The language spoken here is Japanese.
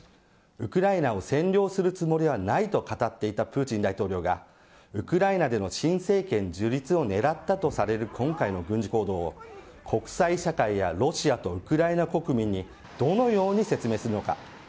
ウクライナを占領するつもりはないと語っていたプーチン大統領がウクライナでの新政権樹立を狙ったとされる今回の軍事行動、国際社会やロシアとウクライナ国民にどのように説明するのか。